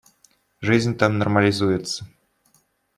Жизнь там нормализуется.